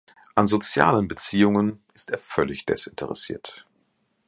An sozialen Beziehungen ist er völlig desinteressiert.